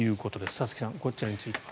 佐々木さん、こちらについては。